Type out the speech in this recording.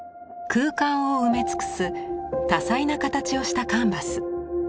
空間を埋め尽くす多彩な形をしたカンバス。